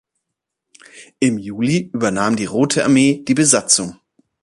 Im Juli übernahm die Rote Armee die Besatzung.